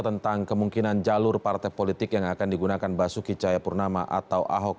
tentang kemungkinan jalur partai politik yang akan digunakan basuki cahayapurnama atau ahok